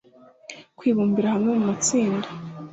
kwibumbira hamwe mu matsinda